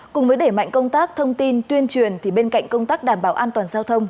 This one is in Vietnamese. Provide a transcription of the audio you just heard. cùng với đẩy mạnh công tác thông tin tuyên truyền thì bên cạnh công tác đảm bảo an toàn giao thông